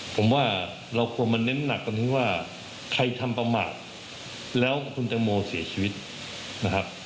ผมว่าเราควรมาเน้นหนักตรงที่ว่าใครทำประมาทแล้วคุณตังโมเสียชีวิตนะครับ